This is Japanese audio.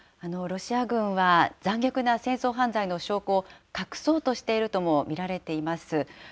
ロシア軍は、残虐な戦争犯罪の証拠を隠そうとしているとも見られています。